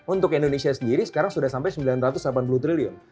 untuk indonesia sendiri sekarang sudah sampai sembilan ratus delapan puluh triliun